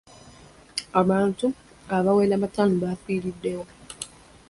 Abantu abawera bataano bafiiriddewo.